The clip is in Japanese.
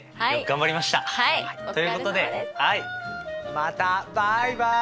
またバイバイ！